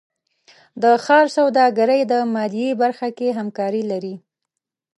د ښار سوداګرۍ د مالیې برخه کې همکاري لري.